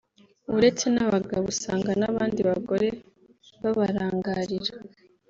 uretse n’abagabo usanga n’abandi bagore babarangarira